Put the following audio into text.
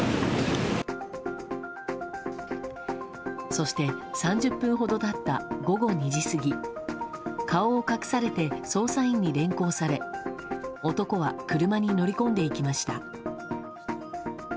そして、３０分ほど経った午後２時過ぎ顔を隠されて捜査員に連行され男は車に乗り込んでいきました。